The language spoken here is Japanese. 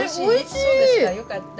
そうですかよかった。